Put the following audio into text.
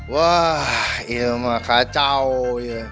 wah iya emang kacau ya